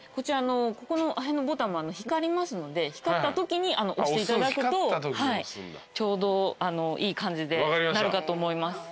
ここの辺のボタンも光りますので光ったときに押していただくとちょうどいい感じでなるかと思います。